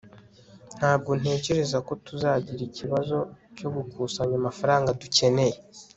ntabwo ntekereza ko tuzagira ikibazo cyo gukusanya amafaranga dukeneye